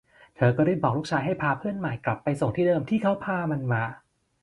เธอก็รีบบอกลูกชายให้พาเพื่อนใหม่กลับไปส่งที่เดิมที่เขาพามันมา